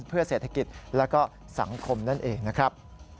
เพื่อเศรษฐกิจและก็สังคมนั่นเองนะครับ